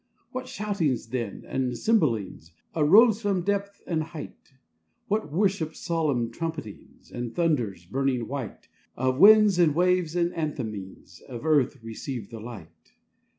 What shoutings then and cymballings Arose from depth and height! What worship solemn trumpetings, And thunders, burning white, Of winds and waves, and anthemings Of Earth received the Light.